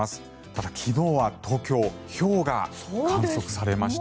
ただ、昨日は東京ひょうが観測されました。